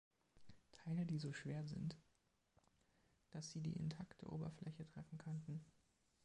Teile, die so schwer sind, dass sie die intakte Oberfläche treffen könnten.